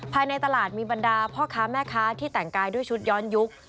ภายในตลาดมีบรรดาพ่อค้าแม่ค้าที่แต่งกายด้วยชุดย้อนยุค